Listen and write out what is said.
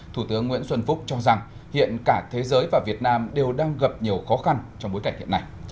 thủ tướng nguyễn xuân phúc cho rằng hiện cả thế giới và việt nam đều đang gặp nhiều khó khăn trong bối cảnh hiện nay